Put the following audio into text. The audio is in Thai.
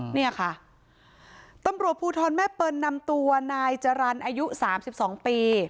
เนี่ยค่ะตำรวจภูทรแม่เปิลนำตัวนายจรรย์อายุ๓๒ปี